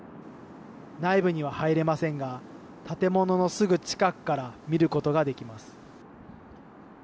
内部には入れませんが建物のすぐ近くから見ることができます。